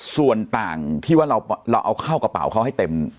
ส่วนต่างที่ว่าเราเอาเข้ากระเป๋าเขาให้เต็ม